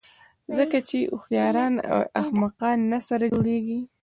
ځکه چې هوښیاران او احمقان نه سره جوړېږي.